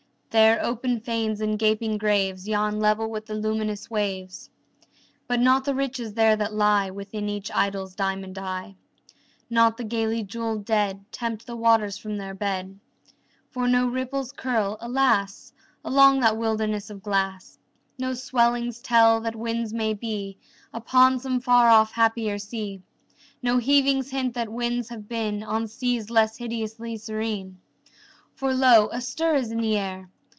There open fanes and gaping graves Yawn level with the luminous waves, But not the riches there that lie Within each idol's diamond eye, Not the gaily jeweled dead Tempt the waters from their bed, For no ripples curl, alas! Along that wilderness of glass, No swellings tell that winds may be Upon some far off happier sea, No heavings hint that winds have been On seas less hideously serene. For lo, a stir is in the air!